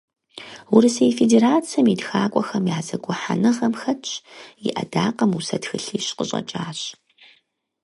Урысей Федерацэм и ТхакӀуэхэм я зэгухьэныгъэм хэтщ, и Ӏэдакъэм усэ тхылъищ къыщӀэкӀащ.